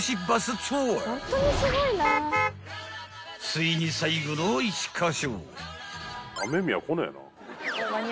［ついに最後の１カ所］